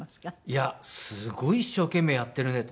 いや「すごい一生懸命やってるね」と。